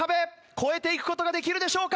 越えていく事ができるでしょうか？